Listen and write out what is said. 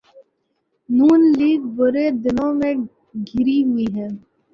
نون league برے دنوں میں گھری ہوئی ہے۔